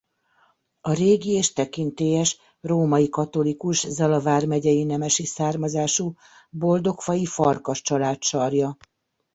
A régi és tekintélyes római katolikus Zala vármegyei nemesi származású boldogfai Farkas család sarja.